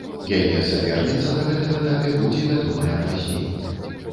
Яе саперніца на гэтым этапе будзе вядомая пазней.